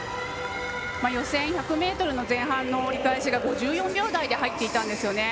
予選１００ｍの前半の折り返しが５４秒台で入っていたんですね。